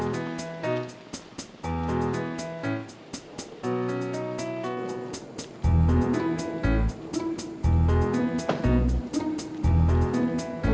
lalu aku doa melin lagi sama kamu